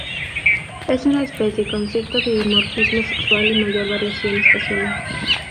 Es una especie con cierto dimorfismo sexual y mayor variación estacional.